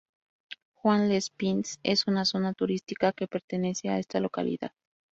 Juan-les-Pins es una zona turística que pertenece a esta localidad.